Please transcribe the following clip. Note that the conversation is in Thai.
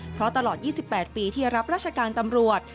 เพราะตลอด๒๘ปีที่รับราชการตำรวจ